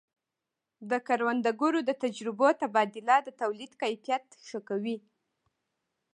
د کروندګرو د تجربو تبادله د تولید کیفیت ښه کوي.